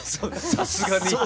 さすがに。